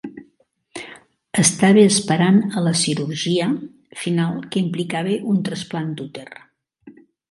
Estava esperant a la cirurgia final que implicava un trasplant d'úter.